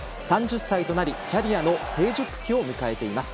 ３０歳となりキャリアの成熟期を迎えています。